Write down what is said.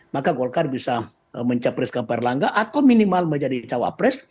maka golkar bisa mencapreskan pak erlangga atau minimal menjadi cawapres